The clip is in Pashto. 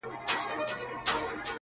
د سواهدو په لټه کي دي او هر څه ګوري،